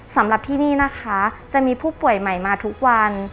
สำหรับที่นี่นะคะจะมีผู้ป่วยใหม่มาทุกวัน